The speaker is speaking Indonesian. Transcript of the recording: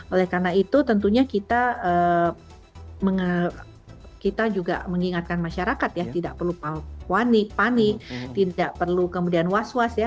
oleh karena itu tentunya kita juga mengingatkan masyarakat ya tidak perlu panik tidak perlu kemudian was was ya